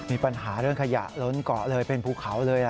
มีปัญหาเรื่องขยะล้นเกาะเลยเป็นภูเขาเลย